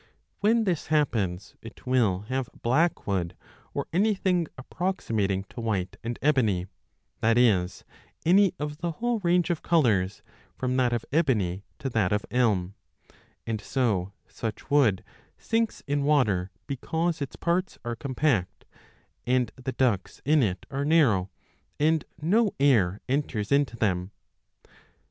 When this happens it will have black wood or any thing approximating to white and ebony, that is, any of the whole range of colours from that of ebony to that of elm ; l and so such wood sinks in water because its parts are 2 5 compact and the ducts in it are narrow, and no air enters into them.